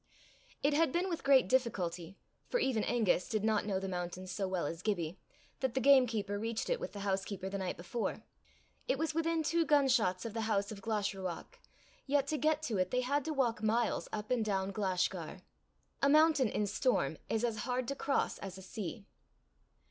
It had been with great difficulty, for even Angus did not know the mountain so well as Gibbie, that the gamekeeper reached it with the housekeeper the night before. It was within two gunshots of the house of Glashruach, yet to get to it they had to walk miles up and down Glashgar. A mountain in storm is as hard to cross as a sea.